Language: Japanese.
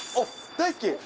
大好き。